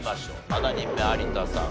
７人目有田さん